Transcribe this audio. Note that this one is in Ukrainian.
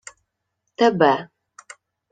— Тебе.